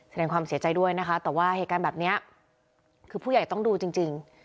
แสดงความเสียใจด้วยนะคะแต่ว่าเหตุการณ์แบบนี้คือผู้ใหญ่ต้องดูจริง